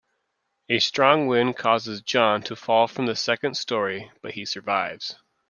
A strong wind causes John to fall from the second story, but he survives.